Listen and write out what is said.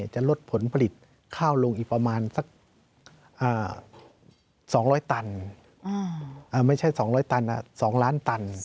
จะลดผลผลิตข้าวลงอีกประมาณสัก๒๐๐ตันไม่ใช่๒๐๐ตัน๒ล้านตัน